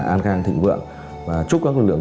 an khang thịnh vượng và chúc các lực lượng